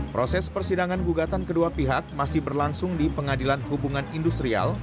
proses persidangan gugatan kedua pihak masih berlangsung di pengadilan hubungan industrial